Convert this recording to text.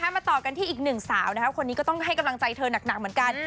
มาต่อกันที่อีกหนึ่งสาวนะครับคนนี้ก็ต้องให้กำลังใจเธอหนักเหมือนกัน